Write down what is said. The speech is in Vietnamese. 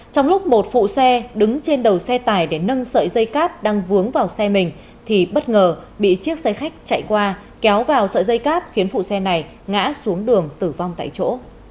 trong lúc một phụ xe đứng trên đầu xe tải để nâng sợi dây cáp đang vướng vào xe mình thì bất ngờ bị chiếc xe khách chạy qua kéo vào sợi dây cáp khiến phụ xe này ngã xuống đường tử vong tại chỗ